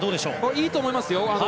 いいと思います。